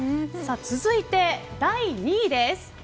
続いて、第２位です。